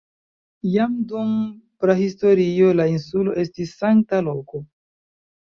Jam dum prahistorio la insulo estis sankta loko.